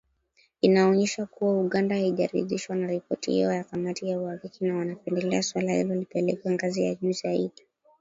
Inaonyesha kuwa Uganda haijaridhishwa na ripoti hiyo ya kamati ya uhakiki “ na wanapendelea suala hilo lipelekwe ngazi ya juu zaidi